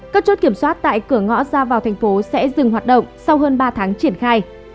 các chốt kiểm soát tại cửa ngõ ra vào thành phố sẽ dừng hoạt động sau hơn ba tháng triển khai